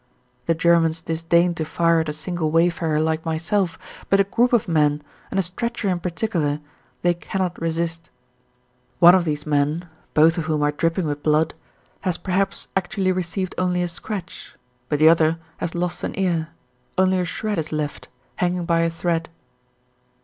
The Germans disdain to fire at a single wayfarer like myself, but a group of men, and a stretcher in particular, they cannot resist. One of these men, both of whom are dripping with blood, has perhaps actually received only a scratch, but the other has lost an ear; only a shred is left, hanging by a thread.